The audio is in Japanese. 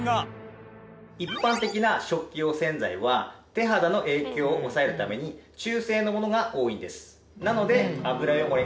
一般的な食器用洗剤は手肌の影響を抑えるために中性のものが多いんです。